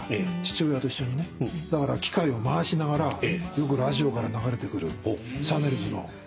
だから機械を回しながらよくラジオから流れてくるシャネルズの。